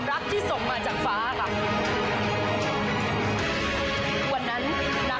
ของท่านได้เสด็จเข้ามาอยู่ในความทรงจำของคน๖๗๐ล้านคนค่ะทุกท่าน